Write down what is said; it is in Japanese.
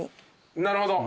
なるほど。